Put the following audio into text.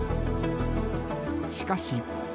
しかし。